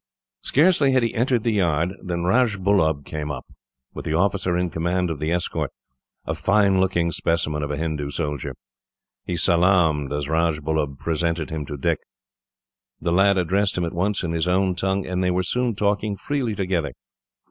Scarcely had he entered the yard than Rajbullub came up, with the officer in command of the escort, a fine looking specimen of a Hindoo soldier. He salaamed, as Rajbullub presented him to Dick. The lad addressed him at once in his own tongue, and they were soon talking freely together.